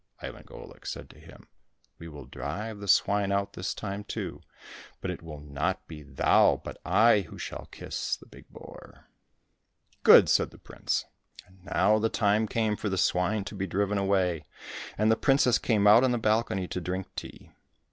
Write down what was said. Ivan Golik said to him, " We will drive the swine out this time too, but it will not be thou but I who shall kiss the big boar." " Good !" said the prince. And now the time came for the swine to be driven away, and the princess came out on the balcony to drink tea.